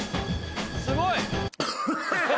すごい。